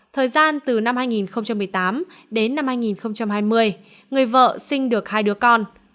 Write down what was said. thời gian từ năm hai nghìn một mươi tám đến năm hai nghìn hai mươi người vợ sinh được hai đứa con